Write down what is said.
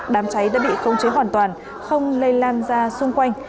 đám cháy đã bị khống chế hoàn toàn không lây lan ra xung quanh